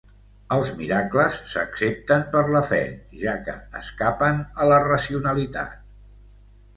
Els miracles s'accepten per la fe, ja que escapen a la racionalitat.